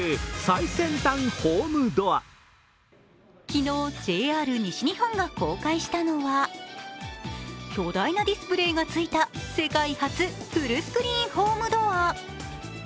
昨日、ＪＲ西日本が公開したのは巨大なディスプレイがついた世界初フルスクリーンホームドア。